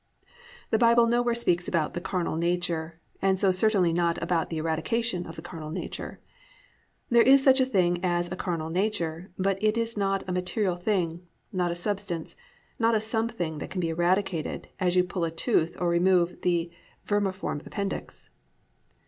The Bible nowhere speaks about "the carnal nature," and so certainly not about "the eradication of the carnal nature." There is such a thing as a carnal nature, but it is not a material thing, not a substance, not a something that can be eradicated as you pull a tooth or remove the vermiform appendix.